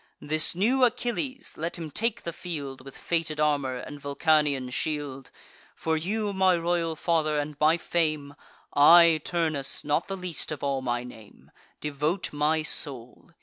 This new Achilles, let him take the field, With fated armour, and Vulcanian shield! For you, my royal father, and my fame, I, Turnus, not the least of all my name, Devote my soul.